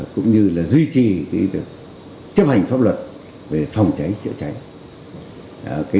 cũng như là duy trì chấp hành pháp luật về phòng cháy chữa cháy